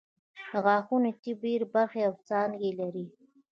د غاښونو طب ډېرې برخې او څانګې لري